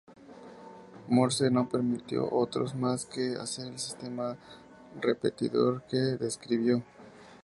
Morse no permitió a otros más que hacer el sistema repetidor que describió.